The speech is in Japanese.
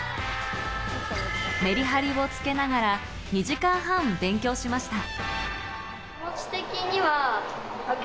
メリハリをつけながら２時間半勉強しました。